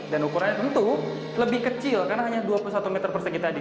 dan ukurannya tentu lebih kecil karena hanya dua puluh satu meter persegi tadi